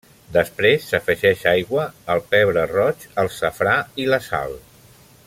Després s'afegeix aigua, el pebre roig, el safrà i la sal.